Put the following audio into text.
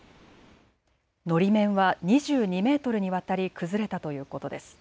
のり面は２２メートルにわたり崩れたということです。